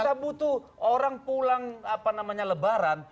kita butuh orang pulang apa namanya lebaran